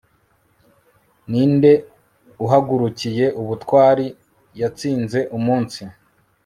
ninde uhagurukiye ubutwari yatsinze umunsi